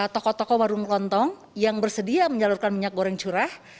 toko toko warung lontong yang bersedia menyalurkan minyak goreng curah